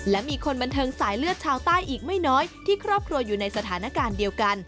และมีคนบันเทิงสายเลือดชาวใต้อีกไม่น้อยที่ครอบครัวอยู่ในสถานการณ์เดียวกัน